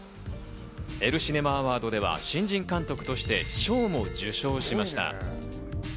エル・シネマアワードでは新人監督として賞も受賞しました。